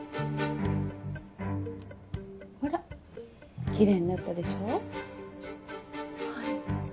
ほらきれいになったではい。